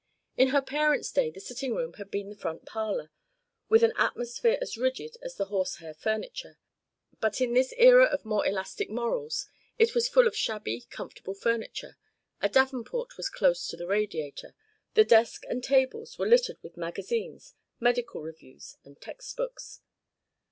In her parents' day the sitting room had been the front parlour, with an atmosphere as rigid as the horsehair furniture, but in this era of more elastic morals it was full of shabby comfortable furniture, a davenport was close to the radiator, the desk and tables were littered with magazines, medical reviews, and text books.